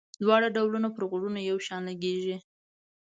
دواړه ډولونه پر غوږونو یو شان لګيږي.